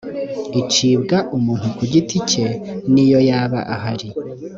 icibwa umuntu ku giti cye n’iyo yaba ahari